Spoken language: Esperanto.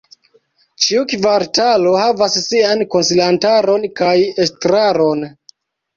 Ĉiu kvartalo havas sian konsilantaron kaj estraron.